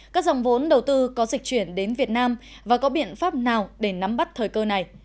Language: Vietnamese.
các dòng vốn đầu tư có dịch chuyển đến việt nam và có biện pháp nào để nắm bắt thời cơ này